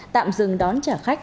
tạm dừng đón trả khách